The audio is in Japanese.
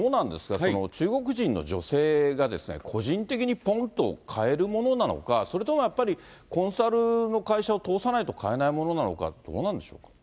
その、中国人の女性がですね、個人的にぽんと買えるものなのか、それともやっぱり、コンサルの会社を通さないと買えないものなのか、どうなんでしょう。